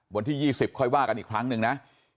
วันที่๒๐ค่อยว่ากันอีกครั้งหนึ่งนะ